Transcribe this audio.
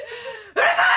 うるさい！